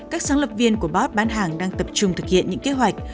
các sáng lập viên của bot bán hàng đang tập trung thực hiện những kế hoạch